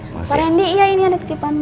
pak rendy iya ini ada tiketan pak rendy